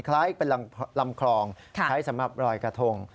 คล้ายเป็นลำคลองใช้สำหรับรอยกระทง